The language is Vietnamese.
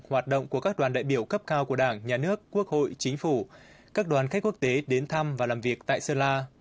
hoạt động của các đoàn đại biểu cấp cao của đảng nhà nước quốc hội chính phủ các đoàn khách quốc tế đến thăm và làm việc tại sơn la